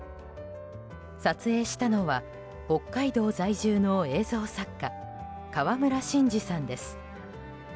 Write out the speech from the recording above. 撮影したのは北海道在住の映像作家、川村伸司さんです。